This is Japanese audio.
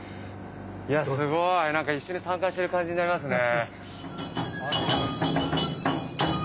すごい何か一緒に参加してる感じになりますね。